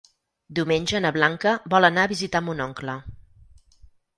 Diumenge na Blanca vol anar a visitar mon oncle.